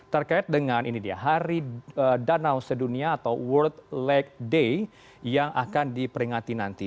terkait dengan ini dia hari danau sedunia atau world lake day yang akan diperingati nanti